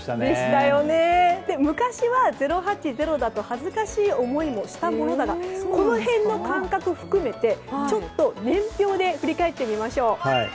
昔は０８０だと恥ずかしい思いもしたものだがこの辺の感覚を含めて年表で振り返りましょう。